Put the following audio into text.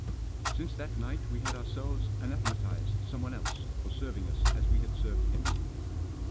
Since that night we had ourselves anathematised someone else for serving us as we had served him.